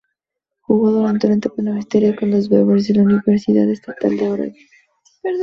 Jugó durante su etapa universitaria con los "Beavers" de la Universidad Estatal de Oregón.